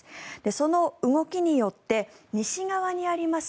その動きによって西側にあります